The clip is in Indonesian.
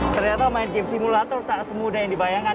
ternyata main game simulator tak semudah yang dibayangkan